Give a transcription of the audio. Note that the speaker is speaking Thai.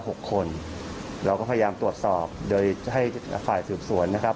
หกคนเราก็พยายามตรวจสอบโดยให้อ่าฝ่ายสืบสวนนะครับ